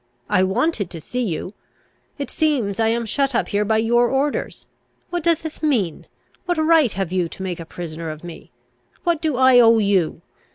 I wanted to see you. It seems I am shut up here by your orders. What does this mean? What right have you to make a prisoner of me? What do I owe you?